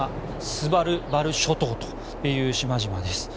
スバルバル諸島という島々です。